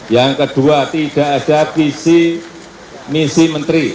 yang kedua tidak ada visi misi menteri